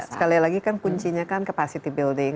sekali lagi kan kuncinya kan capacity building